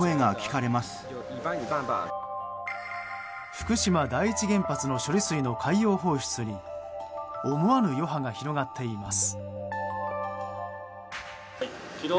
福島第一原発の処理水の海洋放出に思わぬ余波が広がっています。